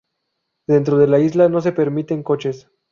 Dentro de la isla no se permiten coches.